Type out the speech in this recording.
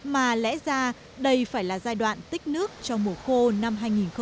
mà lẽ ra đây phải là giai đoạn tích nước trong mùa khô năm hai nghìn một mươi bảy